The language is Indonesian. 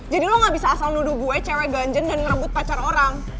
jadi lo gak bisa asal nuduh gue cewek ganjen dan ngerebut pacar orang